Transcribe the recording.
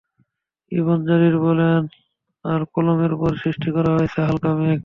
Ibn Jarir বলেনঃ আর কলমের পর সৃষ্টি করা হয়েছে হালকা মেঘ।